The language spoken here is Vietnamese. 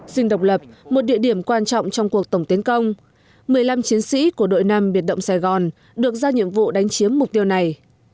dinh độc lập một địa điểm quan trọng trong cuộc tổng tiến công một mươi năm chiến sĩ của đội năm biệt động sài gòn được ra nhiệm vụ đánh chiếm mục tiêu này